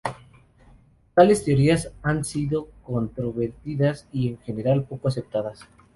Tales teorías han sido controvertidas y en general poco aceptadas.